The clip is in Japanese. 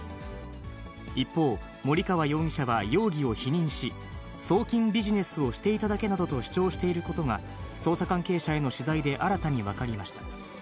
一方、森川容疑者は容疑を否認し、送金ビジネスをしていただけなどと主張していることが、捜査関係者への取材で新たに分かりました。